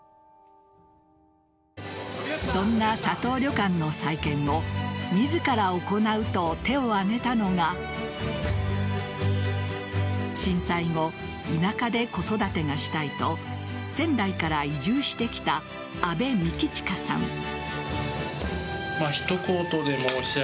そんな佐藤旅館の再建を自ら行うと手を挙げたのが震災後、田舎で子育てがしたいと仙台から移住してきた阿部幹司さん。